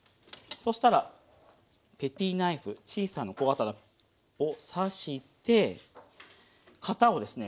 そしたらペティナイフ小さな小刀を刺して型をですね